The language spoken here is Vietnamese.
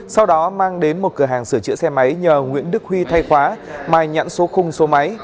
sau đó mang đến một cửa hàng sửa chữa xe máy nhờ nguyễn đức huy thay khóa mà nhãn số khung số máy